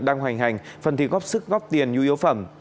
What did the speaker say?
đang hoành hành phần thi góp sức góp tiền nhu yếu phẩm